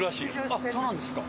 あっそうなんですか